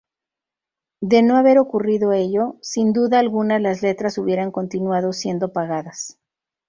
De no haber ocurrido ello, sin duda alguna las letras hubieran continuado siendo pagadas.